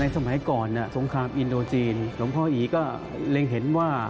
สมัยก่อนสงครามอินโดจีนหลวงพ่ออีก็งเห็นว่า